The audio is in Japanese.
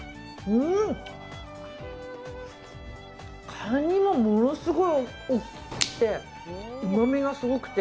カニもものすごい大きくてうまみがすごくて。